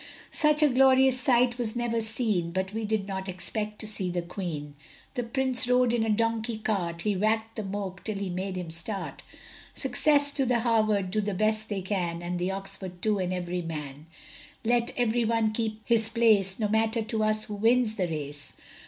Such a glorious sight was never seen, But we did not expect to see the Queen; The Prince rode in a donkey cart, He wack'd the moke till he made him start. Success to the Havard, do the best they can And the Oxford too and every man, Let every one keep his place, No matter to us who wins the race.